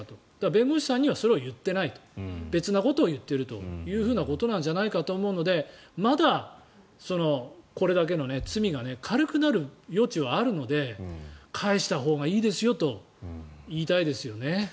弁護士さんにはそれを言っていなくて別なことを言っているのではと思うのでまだこれだけの罪が軽くなる余地はあるので返したほうがいいですよと言いたいですよね。